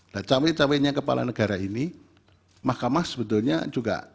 nah cawe cawenya kepala negara ini mahkamah sebetulnya juga